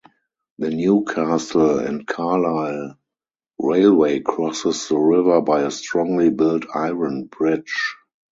The Newcastle and Carlisle Railway crosses the river by a strongly built iron bridge.